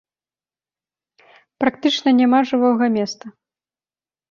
Практычна няма жывога месца.